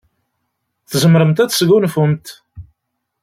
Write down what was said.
Tzemremt ad tesgunfumt.